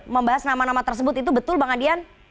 membahas nama nama tersebut itu betul bang adian